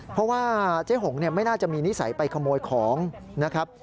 เพราะว่าเจ๊หงไม่น่าจะมีนิสัยไปขโมยของนะครับ